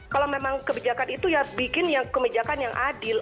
kalau memang kebijakan itu ya bikin yang kebijakan yang adil